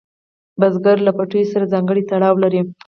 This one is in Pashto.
کروندګر له پټیو سره ځانګړی تړاو لري